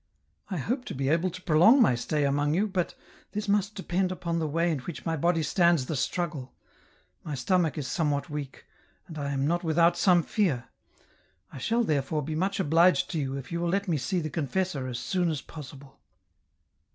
" I hope to be able to prolong my stay among you, but this must depend upon the way in which my body stands the struggle ; my stomach is somewhat weak, and I am not without some fear ; I shall, therefore, be much obliged to you if you will let me see the confessor as soon as possible."